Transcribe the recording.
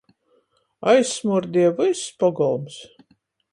Aizsmuordieja vyss pogolms.